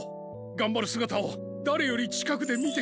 がんばるすがたをだれよりちかくでみてきて。